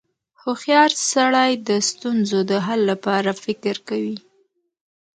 • هوښیار سړی د ستونزو د حل لپاره فکر کوي.